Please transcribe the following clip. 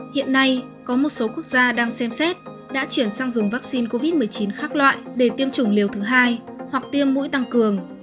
hiện nay có một số quốc gia đang xem xét đã chuyển sang dùng vaccine covid một mươi chín khác loại để tiêm chủng liều thứ hai hoặc tiêm mũi tăng cường